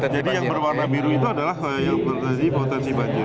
jadi yang berwarna biru itu adalah yang berpotensi banjir